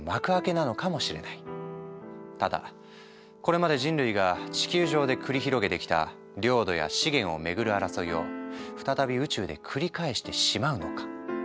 ただこれまで人類が地球上で繰り広げてきた領土や資源を巡る争いを再び宇宙で繰り返してしまうのか。